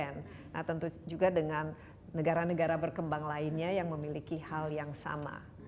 nah tentu juga dengan negara negara berkembang lainnya yang memiliki hal yang sama